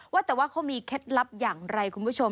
ว่าแต่ว่าเขามีเคล็ดลับอย่างไรคุณผู้ชม